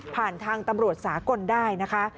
ทางตำรวจสากลได้นะคะ